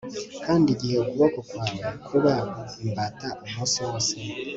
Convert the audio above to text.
Kandi igihe ukuboko kwawe kuba imbata umunsi wose